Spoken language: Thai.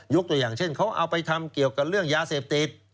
ตัวอย่างเช่นเขาเอาไปทำเกี่ยวกับเรื่องยาเสพติด